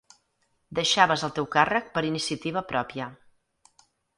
Deixaves el teu càrrec per iniciativa pròpia.